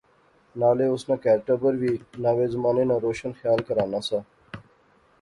نالے اس ناں کہر ٹبر وی ناوے زمانے ناں روشن خیال کہرانہ سا